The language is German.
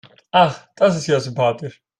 Ach, das ist ja sympathisch.